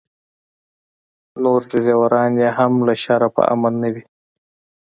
نور ډریوران یې هم له شره په امن نه وي.